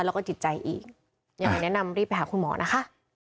แล้วก็จิตใจอีกยังไงแนะนำรีบไปหาคุณหมอนะคะ